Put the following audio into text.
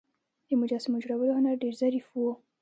د مجسمو جوړولو هنر ډیر ظریف و